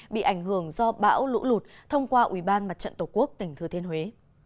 bị ảnh hưởng do bão lũ lụt thông qua ủy ban mặt trận tổ quốc tỉnh thừa thiên huế